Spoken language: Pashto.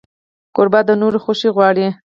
کوربه د نورو خوښي غواړي.